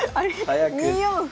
２四歩。